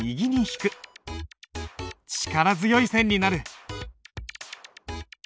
力強い線になる。